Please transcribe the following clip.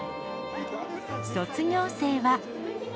卒業生は。